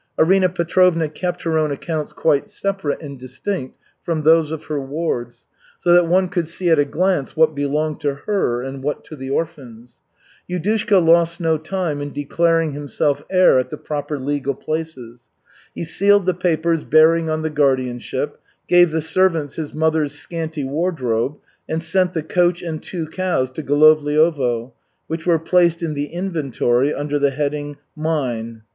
Arina Petrovna kept her own accounts quite separate and distinct from those of her wards, so that one could see at a glance what belonged to her and what to the orphans. Yudushka lost no time in declaring himself heir at the proper legal places. He sealed the papers bearing on the guardianship, gave the servants his mother's scanty wardrobe, and sent the coach and two cows to Golovliovo, which were placed in the inventory under the heading "mine."